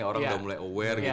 orang udah mulai aware gitu